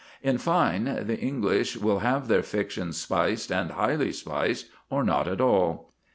In fine, the English will have their fiction spiced, and highly spiced, or not at all.